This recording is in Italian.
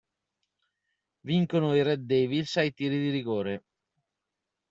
Vincono i "Red Devils" ai tiri di rigore.